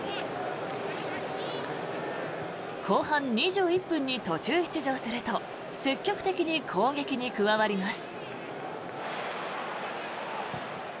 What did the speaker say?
後半２１分に途中出場すると積極的に攻撃に加わります。